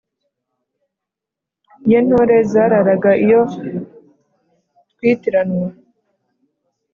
ye ntore zararaga iyo twitiranwa,